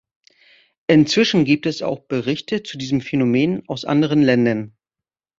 Inzwischen gibt es auch Berichte zu diesem Phänomen aus anderen Ländern.